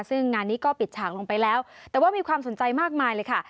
ซึ่งงานนี้ก็ปิดฉากลงไปแล้วแต่ว่ามีความสนใจมากมายเลยค่ะ